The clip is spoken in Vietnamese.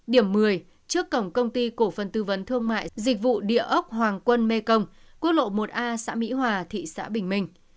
điểm một mươi trước cổng công ty cổ phần tư vấn thương mại dịch vụ địa ốc hoàng quân mê công quốc lộ một a xã mỹ hòa thị xã bình minh